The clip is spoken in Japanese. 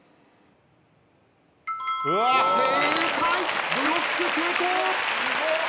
正解ブロック成功！